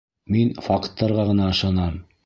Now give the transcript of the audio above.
Мин факттарға ғына ышанам.